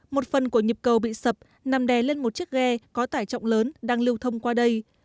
một phần của nhịp cầu bị sập nằm đè lên một chiếc ghe có tải trọng lớn đang lưu thông qua đây